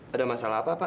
ada masalah apa pak